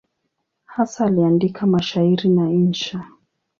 Hasa aliandika mashairi na insha.